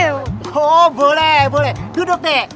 oh boleh boleh duduk deh